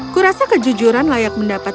kurasa kejujuran layak mendapat